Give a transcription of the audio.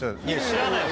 知らないよ